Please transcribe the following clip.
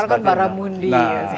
sekarang kan baramundi